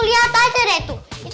liat aja deh tuh